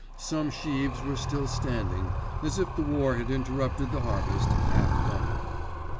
Some sheaves were still standing, as if the war had interrupted the harvest, half done.